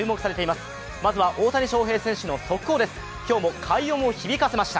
まずは大谷選手の速報からです